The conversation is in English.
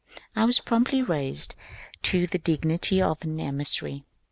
I was promptly raised to the dignity of an ^* emissary.